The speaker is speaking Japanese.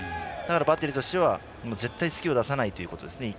バッテリーとしては絶対に鈴木を出さないということです。